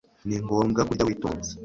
ni ngombwa kurya witonze